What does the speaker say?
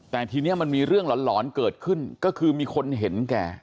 แต่ทีนี้มันมีเรื่องหลอนเกิดขึ้นก็คือมีคนเห็นแก